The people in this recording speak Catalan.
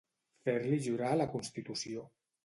Fer-li jurar la Constitució.